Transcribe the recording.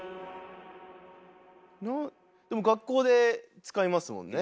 でも学校で使いますもんね。